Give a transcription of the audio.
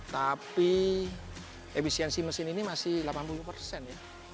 tapi efisiensi mesin ini masih delapan puluh persen ya